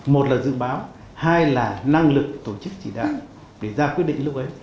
một là dự báo hai là năng lực tổ chức chỉ đạo để ra quyết định lúc ấy